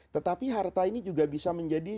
tetapi harta ini juga bisa menjadi